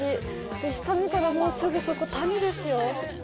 下見たら、すぐそこ谷ですよ。